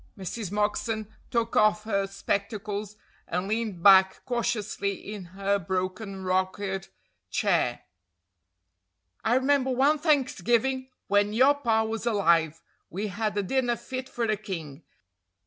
Mrs. Moxon took off her spectacles, and leaned back cautiously in her broken rockered chair. "I remember one Thanksgiving when your pa was alive, we had a dinner fit for a king.